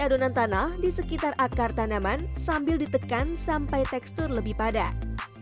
adonan tanah di sekitar akar tanaman sambil ditekan sampai tekstur lebih padat